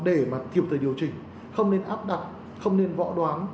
để mà thiểu thời điều chỉnh không nên áp đặt không nên vọ đoán